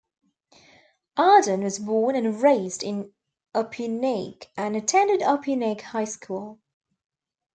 Ardern was born and raised in Opunake, and attended Opunake High School.